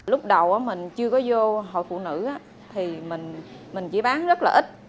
lúc đầu mình chưa có vô hội phụ nữ thì mình chỉ bán rất là ít